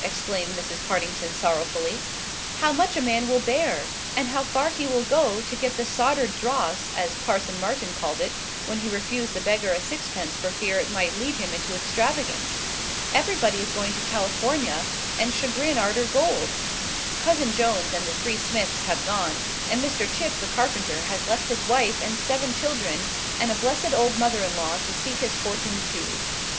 exclaimed Mrs. Partington sorrowfully, "how much a man will bear, and how far he will go, to get the soddered dross, as Parson Martin called it when he refused the beggar a sixpence for fear it might lead him into extravagance! Everybody is going to California and Chagrin arter gold. Cousin Jones and the three Smiths have gone; and Mr. Chip, the carpenter, has left his wife and seven children and a blessed old mother in law, to seek his fortin, too.